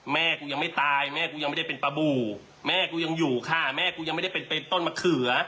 แม่กูยังไม่ตายแม่กูยังไม่ได้เป็นปลาบูแม่กูยังอยู่ค่ะแม่กูยังไม่ได้เป็นต้นมะเขือ